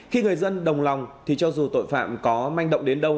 khi người dân đồng lòng thì cho dù tội phạm có manh động đến đâu